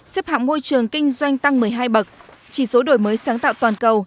xếp hạng môi trường kinh doanh tăng một mươi hai bậc chỉ số đổi mới sáng tạo toàn cầu